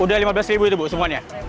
udah rp lima belas itu bu semuanya